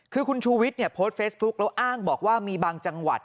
คือคุณชูวิทย์โพสต์เฟซบุ๊คแล้วอ้างบอกว่ามีบางจังหวัด